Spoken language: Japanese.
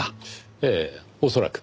ええ恐らく。